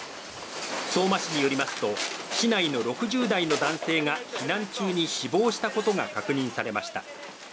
相馬市によりますと市内の６０代の男性が避難中に死亡したことが確認されました。